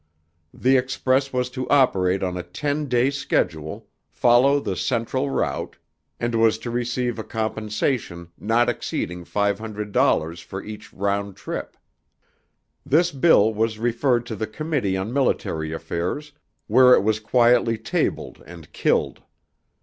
The express was to operate on a ten day schedule, follow the Central Route, and was to receive a compensation not exceeding $500.00 for each round trip. This bill was referred to the Committee on Military Affairs where it was quietly tabled and "killed."